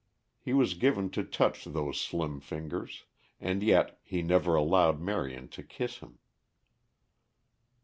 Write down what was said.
He was given to touch those slim fingers. And yet he never allowed Marion to kiss him.